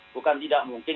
bukan tidak mungkin